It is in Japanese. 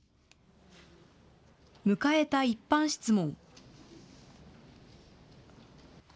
迎えた一般質問。